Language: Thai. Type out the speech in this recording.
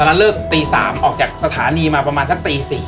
ตอนนั้นเลิกตี๓ออกจากสถานีมาประมาณถ้าตี๔